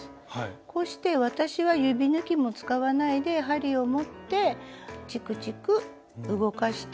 こうして私は指ぬきも使わないで針を持ってちくちく動かして縫っていくんです。